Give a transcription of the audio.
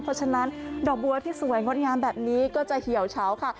เพราะฉะนั้นดอกบัวที่สวยงดงามแบบนี้ก็จะเหี่ยวเฉาค่ะ